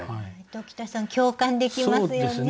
鴇田さん共感できますよね？